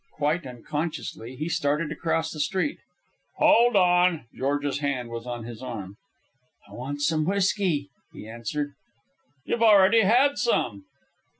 Quite unconsciously he started to cross the street. "Hold on." George's hand was on his arm. "I want some whisky," he answered. "You've already had some."